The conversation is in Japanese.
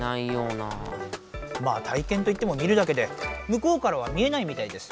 まあ体験といっても見るだけでむこうからは見えないみたいです。